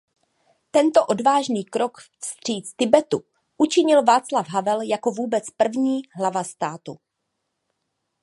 Tento odvážný krok vstříc Tibetu učinil Václav Havel jako vůbec první hlava státu.